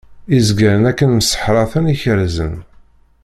Izgaren akken mseḥṛaten i kerrzen.